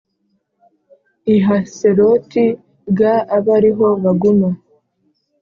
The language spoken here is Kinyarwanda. i Haseroti g aba ari ho baguma